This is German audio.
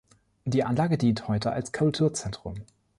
Die Anlage dient heute als Kulturzentrum.